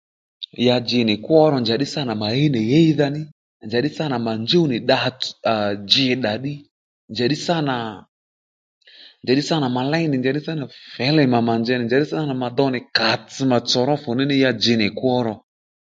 Ya dji nì kwó ro njà ddí sǎ nà mà híy nì híydha ní njàddí sǎ nà mà njúw nì dda aa dji-dda ddí njà ddí sǎ nà njàddí sǎ nà mà ley nì njàddi sǎ nà fělè mà mà njeynì njà ddí sǎ nà mà dow nì kàss mà tsòwró fù ní ní ya dji nì kwó ro